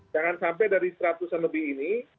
jangan sampai dari seratusan lebih ini